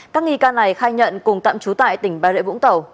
các nghi can này khai nhận cùng tạm trú tại tỉnh bà rệ vũng tàu